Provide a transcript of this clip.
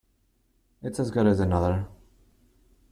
It's as good as another.